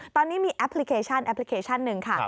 ตอนนี้มีแอปพลิเคชันแอปพลิเคชันหนึ่งค่ะ